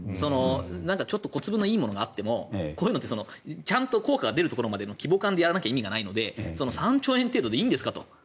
小粒のいいものがあってもこういうのってちゃんと効果が出るところまでの規模感でやらないといけないので３兆円程度でいいんですかと。